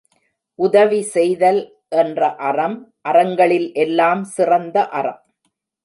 உதவி செய்தல் என்ற அறம், அறங்களில் எல்லாம் சிறந்த அறம்.